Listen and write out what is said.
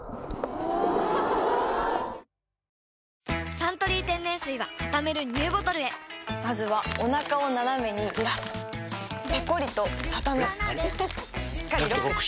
「サントリー天然水」はたためるＮＥＷボトルへまずはおなかをナナメにずらすペコリ！とたたむしっかりロック！